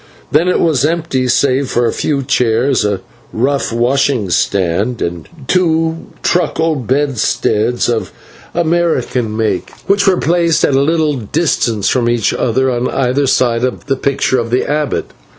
Then it was empty save for a few chairs, a rough washing stand, and two truckle bedsteads of American make, which were placed at a little distance from each other on either side of the picture of the abbot.